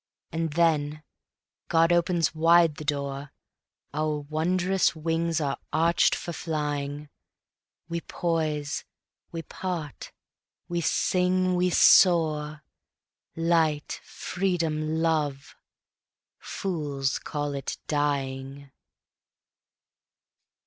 And then God opens wide the door; Our wondrous wings are arched for flying; We poise, we part, we sing, we soar ... Light, freedom, love. ... Fools call it Dying.